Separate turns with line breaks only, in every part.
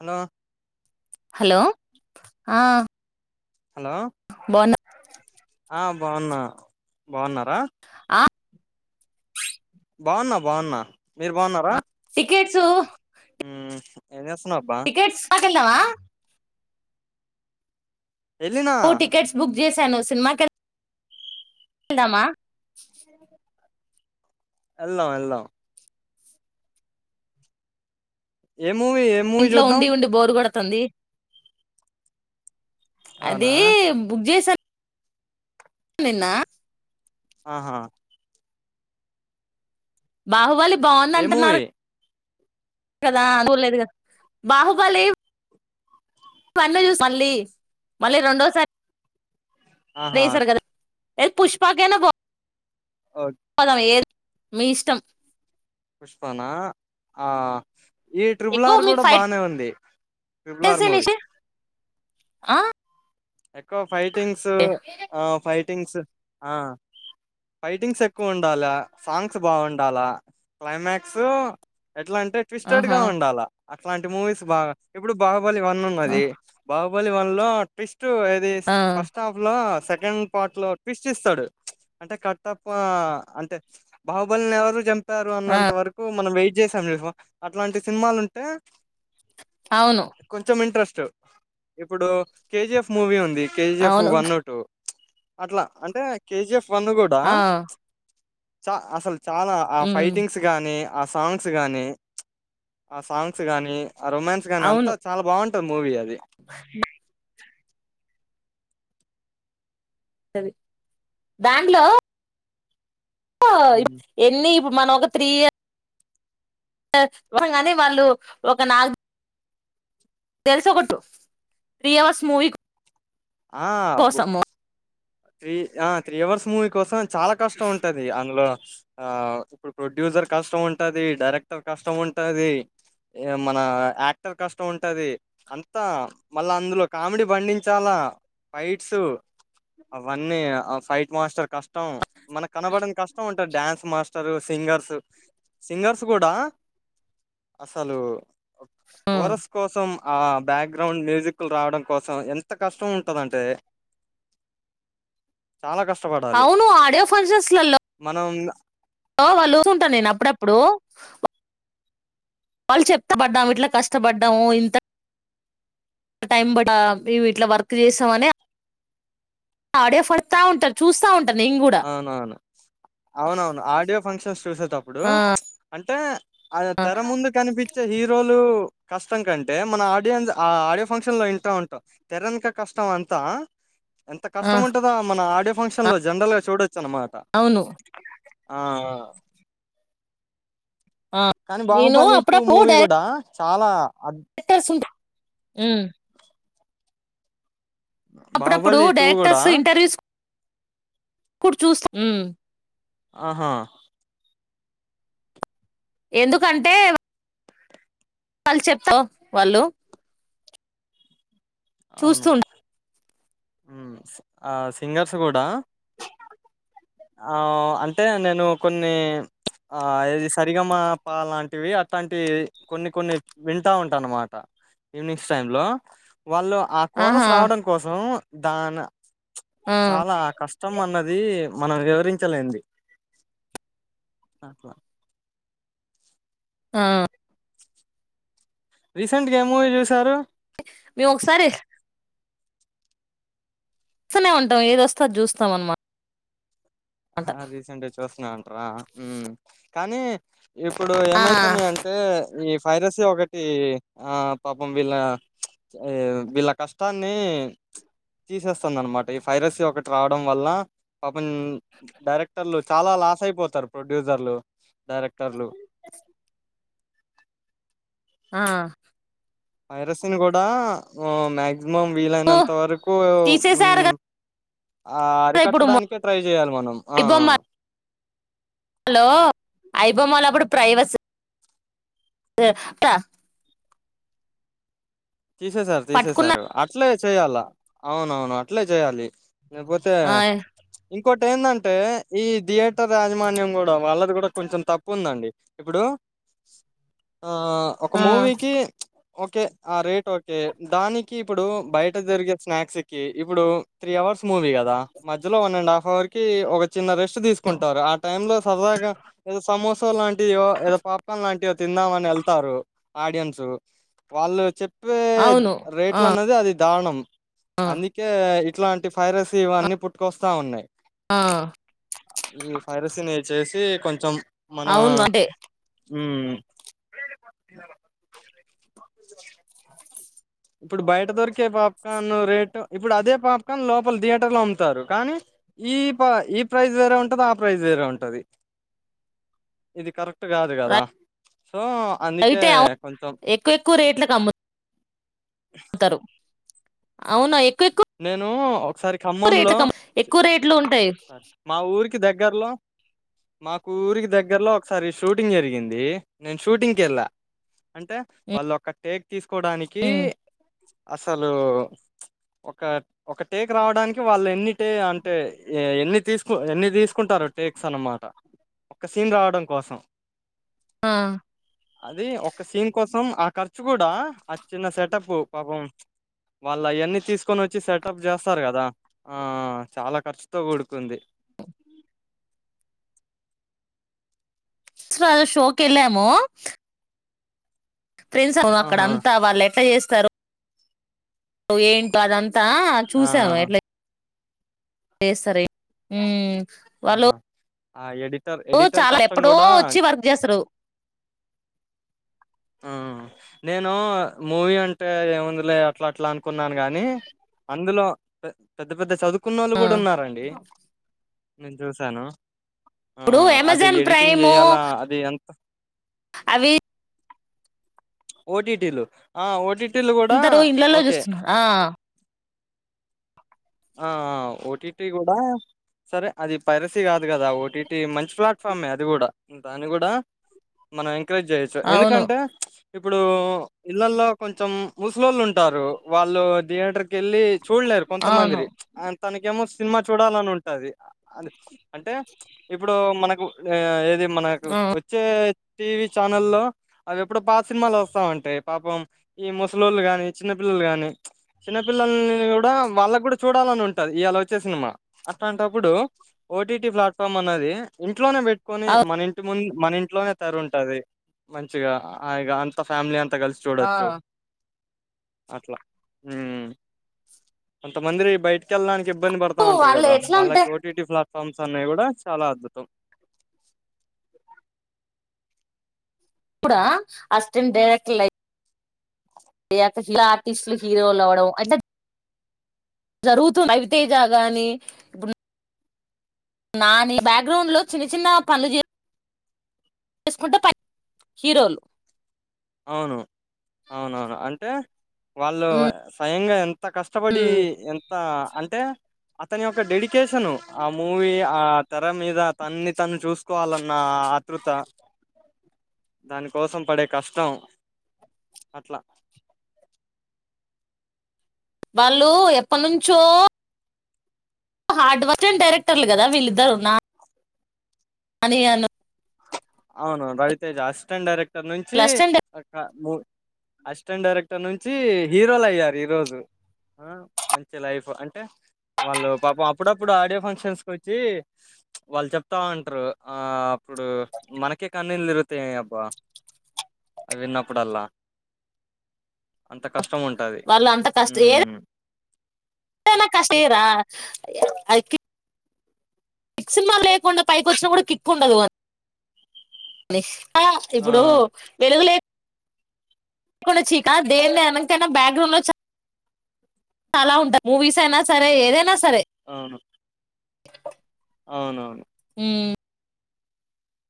Hello
hello ఆ
hello
బన్
ఆ బాగున్నా బాగున్నారా
ఆ
బాగున్నా బాగున్నా మీరు బాగున్నారా
కే చూ
ఎ
క్రికెట్ స ఇలవా
ఎలినా
ఓ టికెట్స్ బుక్ చేశాను సినిమాకి ందమా
ఎలం ఎలాం ఎం
ఇంట్లో ఉండి ఉండి బోరు కూడా తంది అదీ
అవునా
బుక్ చేసాన్ నిన్నా
ఆహా
బాహుబలి బాంద్
ఏ
అంటున్నారు
మూవీ
కదా అ చూలేదు గద బాహుబలి వన్నీ చూసి మళ్ళీ మళ్ళీ రొండోసారి
ఆహ
ఏ పుష్పాకైన పో
ఓ
పోదాం ఏది మీ ఇష్టం
పుష్పాన ఆ ఈ
ఎక్కువ
ట్రిబులార్
మీకు
కూడా బానే ఉంది ట్రిబులార్
ఫైట్స్
మూవి
ఆ
ఎక్కవ్ ఫైటింగ్సు ఆ ఫై టింగ్స్ ఆ ఫైటింగ్స్ ఎక్కువ ఉండాల సాంగ్స్ బాగుండాలా క్లైమాక్సు ఎట్లా అంటే ట్విస్టెడ్
ఆహా
గా ఉండాలా అట్లాంటి మూవీస్ బాగా ఇప్పుడు బా హుబలి వన్ ఉన్నది బాహు బలి వన్ లో ట్విస్ స్ట్ ఏది
ఆ
ఫస్ట్ హాఫ్ లో సెక్ కెండ్ పార్ట్ లో ట్విస్ట్ ఇస్తాడు అంటే కట్టప్ప అంటే బాహుబలిని ఎవరు చం పారు
ఆ
అన్నంత వరకు మనం వెయిట్ జేశ్యామ్ చూశావా అట్లాంటి సినిమాలు ఉంటే
అవును
కొంచెం ఇంట్రెస్ట్ టు ఇప్పుడు కేజిఎఫ్ మూవీ ఉంది కే జి ఎఫ్
అవును
వన్ టు అట్ల అంటే కేజిఎఫ్ వన్ను కూడా
ఆ
చ అసలు చాలా ఆ ఫైటింగ్స్ గాని ఆ సాంగ్స్ గానీ ఆ సాంగ్స్ గానీ ఆ రొమాన్స్ గాని అంత చాలా బాంట్ మూవీ అది
ఇ బ్యాంగ్లో
ఉమ్.
ఎ ఇప్పు మన ఒక త్రీ ఇయర్స్ కాని వాళ్ళు ఒక నగు తెలుస కొట్టు త్రీ అవర్స్ మూవి
ఆహ్ అబ్బో త్రీ ఆహ్ త్రీ అవర్స్ మూవీ కోసం చాలా కష్టం ఉంటది అందులో ఆ ఇప్పుడు ప్రొడ్యూసర్ కష్టం ఉంటది డైరెక్టర్ కష్టం ఉంటది మన యాక్టర్ కష్టం ఉంటది అంతా మళ్ళా అందులో కామెడీ పండించాలా ఫైట్స్ అవన్నీ ఆ ఫైట్ మాస్టర్ కష్టం మనకు కనబడనీ కష్టం ఉంటాది డాన్స్ మాస్ట సింగర్స్ సింగర్స్ కూడా అసలు కోరస్ కోసం ఆ బ్యాక్గ్రౌండ్ మ్యూజిక్లు రావడం కోసం ఎంత కష్టం ఉంటుందంటే
అవును ఆడియో ఫంక్షన్స్లలో
మనం
హ వాళ్ళు చఊకుంటాను నేను అప్పుడప్పుడు వాళ్ళు చెప్తా పడ్డాం ఇట్లా కష్టపడ్డాము ఇంత టై ఇట్లా వర్క్ చేసామని ఆడే పడతా ఉంటారు చూస్తా ఉంటారు
అవునవును అవునవును ఆడియో ఫంక్షన్స్ చూసేటప్పుడు
ఆ
అంటే అ తెర ముందు కనిపించే హీరోలు కష్టం కంటే మన ఆడియన్స్ ఆ ఆడియో ఫంక్షన్ లో వింటా ఉంటాం తెరనుక కష్టం అంతా ఎంత
ఆ
కష్టం ఉంటందా మన ఆడిో ఫంక్షన్ లో జనరల్ చూడ చన్నమాట
అవును
ఆ
ఆ
కానీ
నేను
బాహుబలి టటు మూవీ కూడా చాలా అద్
అ సధ ఊ అప్పుడప్పుడు
బాహుబలి టూ కూడా
డైరెక్టర్స్ ఇంటర్వ్యూస్ ఇడు చూస్తా
ఆహా
ఎందుకంటే వాళ్ళు చెప్తావు వాళ్ళు
అవును
చూస్తూ ఉంట
ఆ సింగర్స్ కుడా ఆ అంటే నేను కొన్ని ఆ ఏది సరిగమ ప లాంటివి అట్టాంటి కొన్ని కొన్ని వింటా ఉంటాను అన్నమాట ఈవినింగ్స్ టై లో వాళ్ళు ఆ కోరస్
ఆహా
రావడం కోసం దాన
ఆ
చాలా కష్టం అన్నది మనం వివరించలేంది అట్ల
ఆ
రీసెంట్ గా ఏం మూవీ చూశారు
మీ ఒకసారి స్తనే ఉంటాం ఏదొస్తె అది చూస్తాం అన్నమాట
హా రీసెంట్గ చూస్తున్నాండి అ ఉమ్ కానీ ఇప్పుడు
ఆ
ఏమైతున్నయి అంటే ఈ ఫైరసీ ఒకటి ఆ పాపం వీళ్ళ వీళ్ళ కష్టాన్ని తీసేస్తుంది అనమాట ఈ ఫైరసీ ఒకటి రావడం వల్ల పాపం డైరెక్టర్లు చాలా లాస్ అయిపోతారు ప్రొడ్యూసర్లు డైరెక్టర్లు
[unintelligible] ఆ
వైరసన్ కూడా మ్యాగ్ మం
ఓ
వీలైనంత వరకు
తీసేసారు
ఉమ్ ఆ
కదా ఇప్పుడు
అరికట్టడానికే ట్రై చేయాలి మనం ఆ
హలో ఐబొమ్మలప్పుడు ప్రైవస్ ర్ త
తీసేసారు
పట్టుకున్న
తీసేసారు అట్లే చెయాలా అవునవును అట్లే చేయాలి నపోతే
ఆ
ఇంకోటెందంటే ఈ థియేటర్ యాజమాన్యం కూడా వాళ్ళది కూడా కొంచం తప్పు ఉందండి ఇప్పుడు ఆ ఒక
ఆ
మూవీకి ఒకే ఆ రేట్ ఓకే దానికి ఇప్పుడు బయట జరిగే స్నాక్స్ కి ఇప్పుడు త్రీ అవర్స్ మూవీ కదా మధ్యలో వన్ అండ్ హాఫ్ అవర్ కి ఒక చిన్న రెస్ట్ తీసుకుంటారు ఆ టై లో సరదాగా [inaudible] సమోస లాంట్ ంటియో ఏదో పాప్ కన్ లాంటియో తిందామనెళ్తారు ఆడియన్సు వాళ్ళు చెప్ పే
అవును ఆ
రేట్లన్నది అది దానం
ఆ
అందుకే ఇ ఇట్లాంటి ఫైరస్ ఇవన్నీ పుట్టుకొస్తా ఉన్నాయి
ఆ
ఈ ఫైరసన్ చేసి కొంచెం
అవును అంటే
మ్మ్ ఇప్పుడు బయట దొరికే పాప్కార్న్ రేటు ఇప్పుడు అదే పాప్కార్న్ లోపల థియేటర్ లో అమ్ముతారు కానీ ఈ పా ఈ ప్రైజ్ వేరే ఉంటది ఆ ప్రైజ్ వేరే ఉంటది ఇది కరెక్ట్ కాదు కదా సో అందుకే
అయితే అ
కొంచెం
ఎక్కువ ఎక్కువ రేట్లలకు అమ్ము తారు అవునా ఎక్కువ
నేను ఒకసారి
ఎక్కువ రేట్లు
ఖమ్మంలో
క ఎక్కువ రేట్లు ఉంటాయి
మా ఊరికి దగ్గరలో మా కూ ఊరికి దగ్గరలో ఒకసారి షూటింగ్ జరిగింది నేను షూటింగ్ కి వెళ్ళా అంటే
ఉమ్
వాళ్ళు ఒక టేక్ తీసుకు కోడానికి
ఉమ్.
అసలు ఒక ఒక టేక్ రావడానికి వాళ్ళు ఎన్ని టే అంటే ఎన్ని తీసుకు ఎన్ని తీసుకుంటారు టేక్స్ అన్నమాట ఒక సీన్ రావడం కోసం
ఆ
అది ఒక సీన్ కోసం ఆ ఖర్చు కూడా ఆ చిన్న సెటప్ పాపం వాళ్ళ అవన్నీ తీసు తీకొని వచ్చి సెటప్ చేస్తారు కదా ఆ చాలా ఖర్చుతో కూడుకుంది
[unintelligible] శోక కెళ్ళేము ఫ్రెడ్స్ [unintelligible]
ఆహా
అక్కడంతా వాళ్ళు ఎటర్ చేస్త సరో [unintelligible] త
ఆ
చూసావా ఎట్లా [unintelligible] సరే మ్మ్
ఆహా ఆ ఎడి
చాలా ఎప్పుడో వచ్చి వర్క్ చేసారు
ఆ నేను మూవీ అంటే ఏముంది లే అట్లా అట్లా అనుకున్నాను గాని అందులో పెద్ద పెద్ద చదువుకు కున్న వాళ్ళు
ఆ
కూడా ఉన్నారండి నేను చూసాను ఆ
ఇప్పుడు
అది
అమెజాన్
ఎడిటింగ్
ప్రైమ్
చేయాలా అది ఎంత
అవి
ఓటిటిలు ఓటి
అందరు ఇళ్లలో చూస్తున్నారు ఆ
ఆ ఓటీటీ కూడా సరే అది పైరసీ కాదు కదా ఓటీటి మంచి ప్లాట్ఫామే అది కూడా దాని కూడా కరేజ్ చేయచ్చు
అవును
ఎందుకని ఇప్పుడు ఇళ్లల్లో కొంచం ముసలోళ్ళు ఉంటారు వాళ్ళు థియేటర్ కెళ్ళి చూడలేరు
అవును
కొంతమందిరి అ తనకేమో సినిమా చూడాలని ఉంటాది ఆ అది అంటే ఇప్పుడు మనక్ ఆ ఏది మనకు
ఆ
వచ్చే [unintelligible] టీవీ ఛానల్లో అవి ఎప్పుడు పాత సినిమాలు వస్తావుంటాయి. పాపం ఈ ముసలోళ్ళు కాని చిన్నపిల్లోల్లు కాని చిన్నపిల్లల్ని కూడా వాళ్ళకి కూడా చూడాలని ఉంటది ఇయ్యాలా వచ్చే సినిమా అట్లాంటప్పుడు ఓటీటీ ప్లాట్ఫామ్ అనేది ఉం ఇంట్లోనే పెట్టుకొని
అవు
మన ఇంటి ముందు [unintelligible] మన ఇంట్లోనే తరు ఉంటది మం చేయగా ఆ ఇగ అంత ఫ్యామిలీ అంత కలిసి
ఆ
చూడొచ్చు అట్లా మ్ ఎంత మందిరి బయటికెళ్ళడాని ఇబ్బంది పడతా ఉంటారు
వాళ్ళు
కదా
ఎట్లా అంటే
వాళ్ళకి ఓటీటీ ఫ్లాట్ [unintelligible] ఫమ్స్ అన్ని కూడా చాలా అద్భుతం
కూడా అస్టెండైరెక్టర్ లై ఫియా ఆర్టిస్టులు ఫియోలవడం అంటే జరుగుతుంది రవితేజ గాని ఇప్పుడు నా నీ బ్యాక్గ్రౌండ్లో చిన్న చిన్న పనులు చే చేసుకుంటే ప [unintelligible] హీరోలు
అవును అవునవును అంటే వాళ్ళు
ఉమ్
స్వయంగా ఎం త కష్టపడి ఎంత అంటే తని యొక్క డెడికేషను ఆ మూవీ ఆ తెర మీద తన్ని తను చూసుకోవాలన్న ఆత్రుత దాని కోసం పడే కష్ త్తం అట్లా
వాళ్ళు ఎప్పటినుంచో హార్డ్ వర్క్ అస్టెం డైరెక్టర్లు కదా వీళ్ళిద్దరు నా నానీ అను
అవును రవితేజ అస్టెంట్ డైరెక్ట్ ఇక్కడ నుంచి
అసిస్టెంట్
ఒక [unintelligible] మూ అసిస్టెంట్ డైరెక్టర్ నుంచి హీరోలు అయ్యారు ఈ రోజు మంచి లైఫ్ అంటే వాళ్ళు పాపం అప్పుడప్పుడు ఆడియో ఫంక్షన్స్కి వచ్చి వాళ్ళు చెప్తా వుంటారు ఆ అప్పుడు మనకే కన్నీల్ తిరుగుతయ్ అబ్బా అవి విన్నప్పుడల్లా అంత కష్టం ఉంటది
వాళ్ళు
ఉమ్
తేన కష్టేరా అయితే [unintelligible] క్స్ సినిమా లేకుండా పైకి వచ్చినా కూడా కిక్ ఉండదు [unintelligible] లే
ఆ
ఇప్పుడు వెలుగులే లేపోలా చీకా దేన్లో అనికైనా బ్యాగ్గ్రౌండ్ లో [unintelligible] చాల చాలా ఉంటాయి మూవీస్ లో అయినా సరే ఏదైనా సరే
అవును అవునవును
హు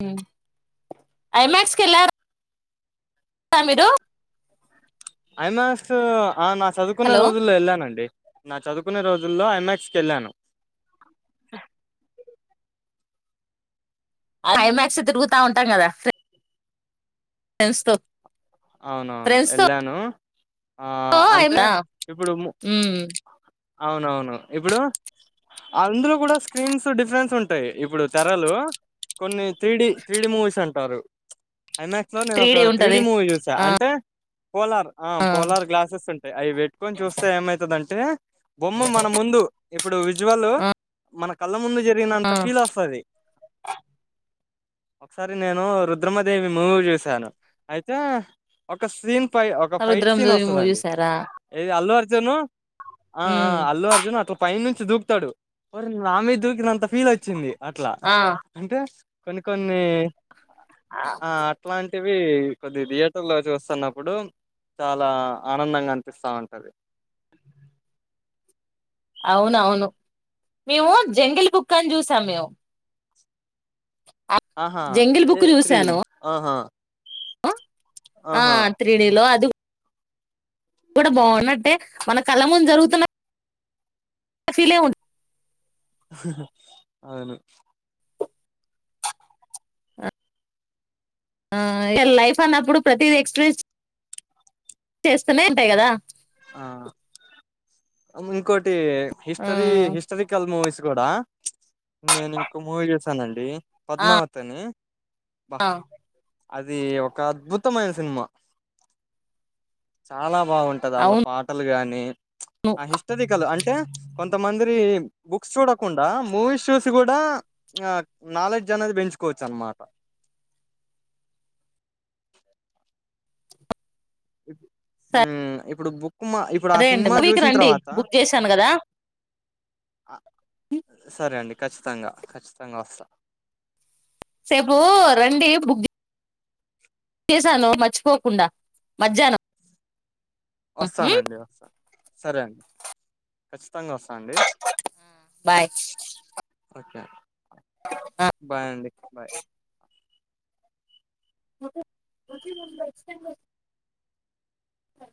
హు ఐమాక్స్కి ఎళ్లార్ మీరు
ఐమాక్స్ అనా చదువుకున్న
హలో
రోజుల్లో ఎళ్ళానండి. నా చదువుకునే రోజుల్లో ఐమాక్స్కి ఎళ్ళాను.
ఐమాక్స్ తిరుగుతావుంటాం కదా. డ్స్ తో
అవునవును
ఫ్రెండ్స్ తో
ఎళ్ళాను. ఆ అంటే
ఐ
ఇప్పుడు ము అవునవును ఇప్పుడు అందులో కూడా స్క్రీన్స్ డిఫరెన్స్ ఉంటయ్, ఇప్పుడు తెరలు కొన్ని త్రీడి, త్రీడి మూవీస్ అంటారు‌. ఐమాక్స్ లో నేనొక
డే
త్రీ
ఉంటది
డీ మూవీ స్ తా అంటే పోలార్ ఆ పొలార్ గ్లాసెస్ ఉం అవి పెట్టుక్కొని చూస్సే ఏమయితది అంటే బొమ్మ మన ముందు ఇప్పుడు విజువల్
ఆ
మన కళ్ళ ముందు జ రినంత ఫీల్ వస్సది. ఒకసారి నేను రుద్రమదేవి మూవీ చూసాను, అయితే ఒక సీన్ పై ఒక
ఆ
fight
Rudram
scene
Devi movie
వస్సదండి,
చూసారా
ఎది అల్ల్ జను ఆ ఆ
ఉమ్
అల్లు అర్జున్ అట్లా పై నుం దూకుతాడు, వర్ర్ నా మీద్ దూకినంత ఫీల్ వచ్చింది. అట్లా,
ఆ
అంటే కొన్ని కొన్నీ ఆ అట్లాన్ వి కొద్ది ది బ్ లో చూస్తున్నప్పుడు చాలా ఆనందంగా అనిపిస్సా ఉంటది.
అవునవును, మేము జంగిల్ బుక్ అని చూసాం మేము
ఆహా
జంగిల్
ఏ
బుక్ చూసాను
త్రీడిమి, ఆహా
ఆ
ఆహా
త్రీడి లో అది కూడా బావున్నట్టే మన కళ్ళ ముందు జరుగుతున పీలే ఉ
అవును
ఆ ఇగ లైఫ్ అన్నప్పుడు ప్రతిది ఎక్స్పీరియన్స్ చేస్తూనే ఉంటాయి కదా
ఆ ఇంకోటి
ఆ
హిస్టరీ హిస్టరికల్ మూవీస్ కూడా నేను ఇంకో మూవీ చేశానండి
ఆ
పద్మావతి అని బా అది ఒక అద్భుతమైన సినిమా చాలా బాగుంటది అళ్
అవును
పాటలు గానీ ఆ హిస్టరికల్ అంటే కొంతమందికి బుక్స్ చూడకుండా మూవీస్ చూసి కూడా ఆ నాలెడ్జ్ అనేది పెంచుకోవచ్చు అన్నమాట ఇ ఊ ఇప్పుడు బుక్ కు ఇప్పుడు ఆ
సరే అండి
సినిమా
మరి మీకు
చూసిన
రండి
తర్వాత
బుక్ చేశాను కదా
సరే అండి ఖచ్చితంగా ఖచ్చితంగా వస్త
సేపు రండి బుక్ చేశాను మర్చిపోకుండా మధ్యాహ్నం
వస్తానండి వస్తాను సరే అండి ఖచ్చితం ఖచ్చితంగా వస్తా అండి
బాయ్
ఓకే అండి
ఆ
బాయ్ అండి బాయ్
చ్చ అ